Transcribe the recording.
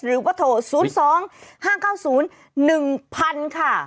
หรือว่าโทร๐๒๕๙๐๑๐๐๐ค่ะ